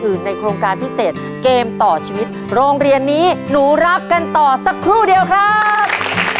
อื่นในโครงการพิเศษเกมต่อชีวิตโรงเรียนนี้หนูรักกันต่อสักครู่เดียวครับ